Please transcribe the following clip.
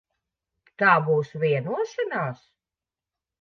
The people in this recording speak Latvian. Tā būs vienošanās?